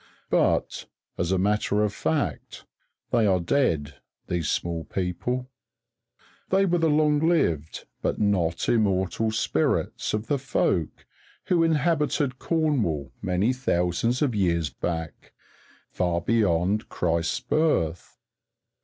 But, as a matter of fact, they are dead, these Small People. They were the long lived but not immortal spirits of the folk who inhabited Cornwall many thousands of years back far beyond Christ's birth.